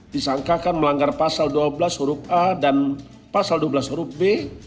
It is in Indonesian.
disangkakan melanggar pasal dua belas huruf a dan pasal dua belas huruf b